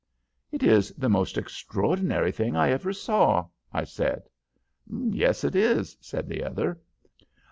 "'It is the most extraordinary thing I ever saw,' I said. "'Yes, it is,' said the other.